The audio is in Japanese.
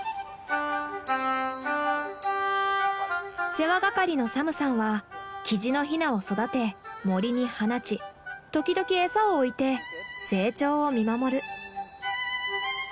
世話係のサムさんはキジのヒナを育て森に放ち時々餌を置いて成長を見守る。